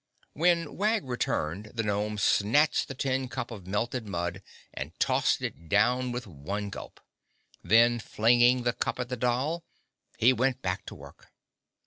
When Wag returned the gnome snatched the tin cup of melted mud and tossed it down with one gulp. Then, flinging the cup at the doll, he went back to work.